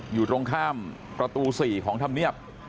อยู่ตรงข้ามประตู๔ของธรรมเนียบ